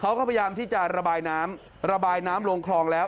เขาก็พยายามที่จะระบายน้ำระบายน้ำลงคลองแล้ว